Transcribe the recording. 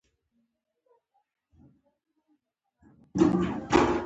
تنور د کلي د خواږه سهار برخه ده